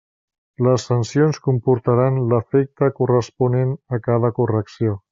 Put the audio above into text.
Les sancions comportaran l'efecte corresponent a cada correcció.